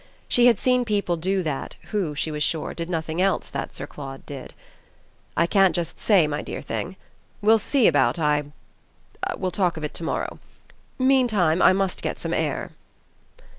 She had seen people do that who, she was sure, did nothing else that Sir Claude did. "I can't just say, my dear thing. We'll see about I we'll talk of it to morrow. Meantime I must get some air."